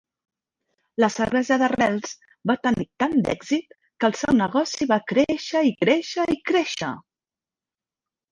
La cervesa d'arrels va tenir tant d'èxit que el seu negoci va créixer, i créixer, i créixer!